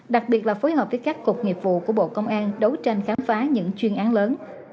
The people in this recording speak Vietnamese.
đặc biệt là phối hợp với các cục nghiệp vụ của bộ công an đấu tranh khám phá những chuyên án lớn